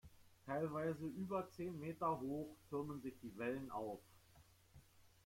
Teilweise über zehn Meter hoch türmen sich die Wellen auf.